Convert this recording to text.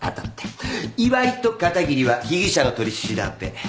岩井と片桐は被疑者の取り調べ。